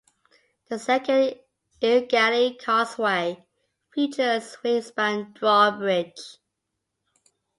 The second Eau Gallie Causeway featured a swing span drawbridge.